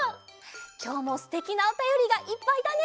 きょうもすてきなおたよりがいっぱいだね！